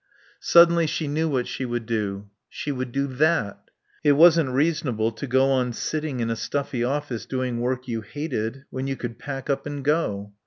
Suddenly she knew what she would do. She would do that. It wasn't reasonable to go on sitting in a stuffy office doing work you hated when you could pack up and go.